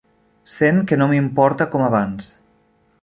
Sent que no m'importa com abans.